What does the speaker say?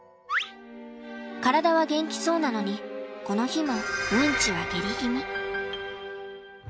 体は元気そうなのにこの日もうんちはゲリ気味。